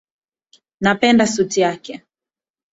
Napenda sauti yake